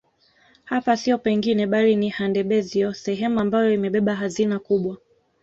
Hapa siyo pengine bali ni Handebezyo sehemu ambayo imebeba hazina kubwa